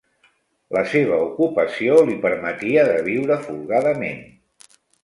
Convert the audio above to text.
La seva ocupació li permetia de viure folgadament.